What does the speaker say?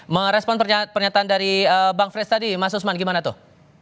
merespon pernyataan dari bang fresh tadi mas usman gimana tuh